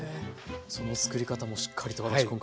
その作り方もしっかりと私